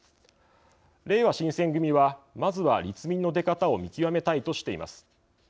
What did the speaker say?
れいわ新選組はまずは、立民の出方を見極めたいとしています。